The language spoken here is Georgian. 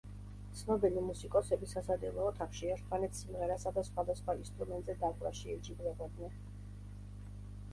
ცნობილი მუსიკოსები სასადილო ოთახში ერთმანეთს სიმღერასა და სხვადასხვა ინსტრუმენტზე დაკვრაში ეჯიბრებოდნენ.